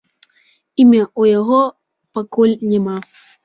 Імя ў яго пакуль няма.